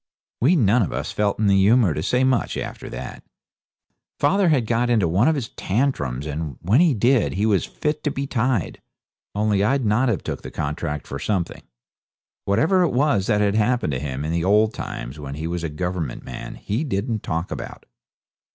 We none of us felt in the humour to say much after that. Father had got into one of his tantrums, and when he did he was fit to be tied; only I'd not have took the contract for something. Whatever it was that had happened to him in the old times when he was a Government man he didn't talk about.